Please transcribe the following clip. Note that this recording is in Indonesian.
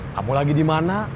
kamu lagi dimana